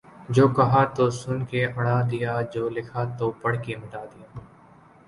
جو کہا تو سن کے اڑا دیا جو لکھا تو پڑھ کے مٹا دیا